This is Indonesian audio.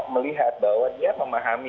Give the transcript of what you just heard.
melihat bahwa dia memahami